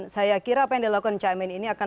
saya kira apa yang dilakukan caimin ini akan